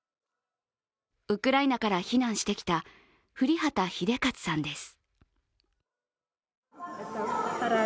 ウクライナから避難してきた降籏英捷さんです。